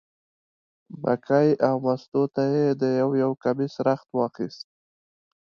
مکۍ او مستو ته یې د یو یو کمیس رخت واخیست.